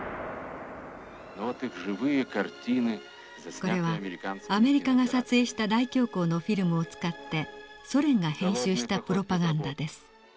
これはアメリカが撮影した大恐慌のフィルムを使ってソ連が編集したプロパガンダです。